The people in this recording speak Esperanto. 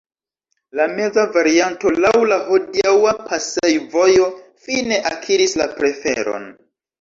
La meza varianto laŭ la hodiaŭa pasejvojo fine akiris la preferon.